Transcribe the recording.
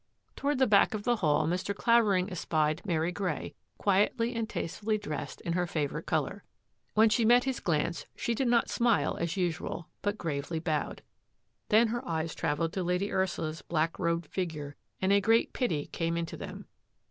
Toward the back of the hall Mr, Clavering espied Mary Grey, quietly and tastefully dressed in her favourite colour. When she met his glance she did not smile as usual, but gravely bowed. Then her eyes travelled to Lady Ursula's black robed figure and a great pity came into them.